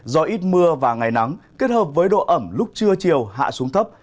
do ít mưa và ngày nắng kết hợp với độ ẩm lúc trưa chiều hạ xuống thấp